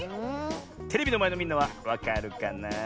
テレビのまえのみんなはわかるかなあ？